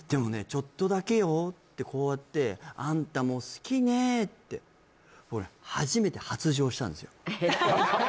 「ちょっとだけよ」ってこうやって「あんたも好きねえ」って俺初めて発情したんですよえっ？